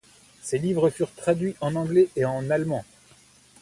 Ces livres furent traduits en anglais et en allemand.